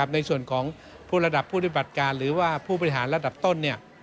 ในส่วนของผู้ระดับผู้ปฏิบัติการหรือว่าผู้บริหารระดับต้น